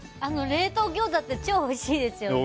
冷凍ギョーザって超おいしいですよね。